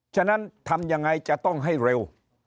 ฉะนั้นทำยังไงจะต้องให้เร็ว